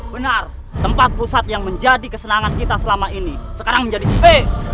benar tempat pusat yang menjadi kesenangan kita selama ini sekarang menjadi spe